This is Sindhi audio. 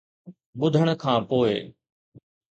ٻڌڻ کان پوءِ،